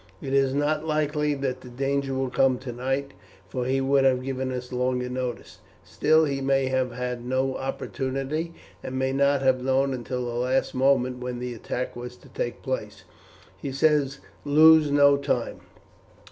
It is not likely that the danger will come tonight, for he would have given us longer notice. Still he may have had no opportunity, and may not have known until the last moment when the attack was to take place. He says 'lose no time.'"